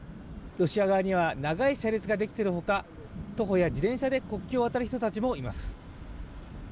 ロシア側には長い車列ができているほか、徒歩や自転車で国境を渡る人たちもいます。